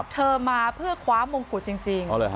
เธอมาเพื่อคว้ามงกุฎจริง